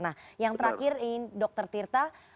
nah yang terakhir dokter tirta